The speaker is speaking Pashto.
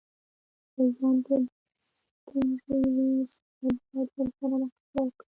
په ژوند کې ستونځې وي، سړی بايد ورسره مقابله وکړي.